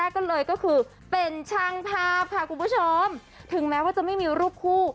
ก็เลยก็คือเป็นช่างภาพค่ะคุณผู้ชมถึงแม้ว่าจะไม่มีรูปคู่